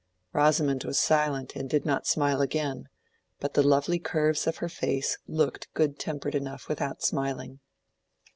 Rosamond was silent and did not smile again; but the lovely curves of her face looked good tempered enough without smiling.